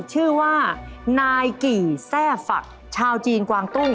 ชื่อว่านายกี่แทร่ฝักชาวจีนกวางตู้